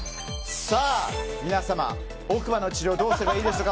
皆様、奥歯の治療どうすればいいでしょうか